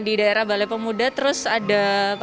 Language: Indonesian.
di daerah balai pemuda terus ada